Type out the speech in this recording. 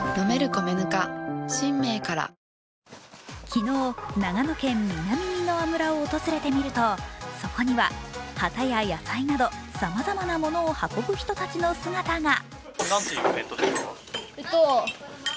昨日、長野県南箕輪村を訪れてみるとそこには、旗や野菜などさまざまなものを運ぶ人の姿が。